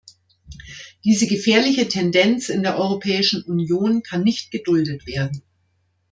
Diese gefährliche Tendenz in der Europäischen Union kann nicht geduldet werden!